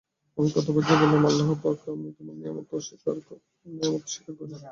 আমি কত বার যে বললাম, আল্লাহপাক, আমি তোমার নেয়ামত স্বীকার করি।